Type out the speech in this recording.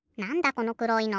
このくろいの。